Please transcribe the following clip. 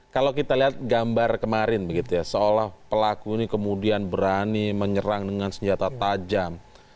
kalau kita lihat gambar kemarin seolah pelaku ini kemudian berani menyerang dengan senjata tajam